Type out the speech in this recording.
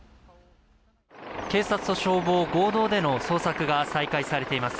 警察と消防、合同での捜索が再開されています。